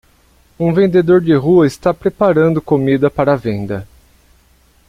Um vendedor de rua está preparando comida para venda.